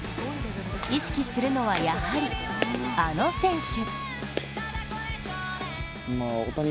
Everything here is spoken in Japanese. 意識するのはやはり、あの選手。